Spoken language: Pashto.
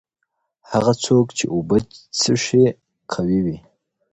هغه څوک چي اوبه څښي قوي وي؟